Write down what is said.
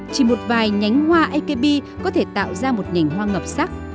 chỉ một vài nhánh hoa akb có thể tạo ra một nhánh hoa ngập sắc